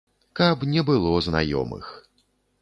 Каб не было знаёмых.